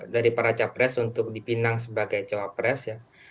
dari para capres untuk dipinang sebagai cawapres ya